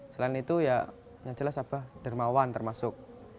selain itu ya yang jelas abah dermawan termasuk